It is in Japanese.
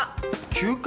休暇？